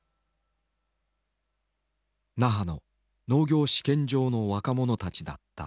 那覇の農業試験場の若者たちだった。